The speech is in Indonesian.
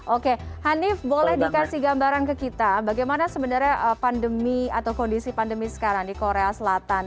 oke hanif boleh dikasih gambaran ke kita bagaimana sebenarnya pandemi atau kondisi pandemi sekarang di korea selatan